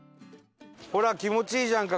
ほら気持ちいいじゃんか！